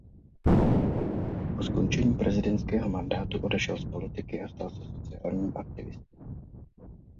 Po skončení prezidentského mandátu odešel z politiky a stal se sociálním aktivistou.